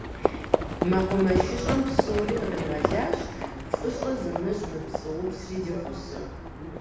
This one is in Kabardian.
МэкъумэшыщӀэм псори дыкъригъэлащ, фӀыщӀэ зымыщӀ мы пцӀыупсри ди гъусэу.